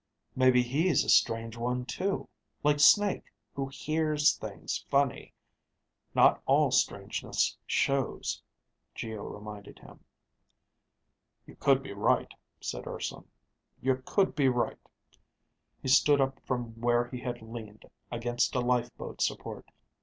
"Maybe he's a strange one too, like Snake who 'hears' things funny. Not all strangeness shows," Geo reminded him. "You could be right," said Urson. "You could be right." He stood up from where he had leaned against a lifeboat support.